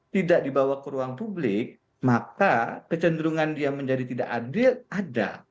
tidak dibawa ke ruang publik maka kecenderungan dia menjadi tidak adil ada